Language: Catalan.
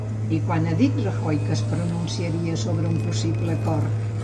I quan ha dit Rajoy que es pronunciaria sobre un possible acord?